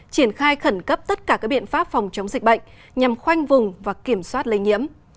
triển khai khẩn cấp tất cả các biện pháp phòng chống dịch bệnh nhằm khoanh vùng và kiểm soát lây nhiễm